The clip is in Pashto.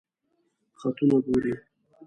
خطونه ګوری؟